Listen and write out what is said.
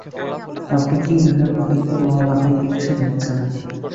আপনি কী বুঝাতে চাচ্ছেন আমার মাথায় কিছু ঢুকছে না।